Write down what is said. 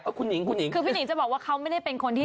คุณหิงคุณหิงคือพี่หิงจะบอกว่าเขาไม่ได้เป็นคนที่